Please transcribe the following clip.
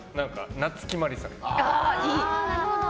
夏木マリさん。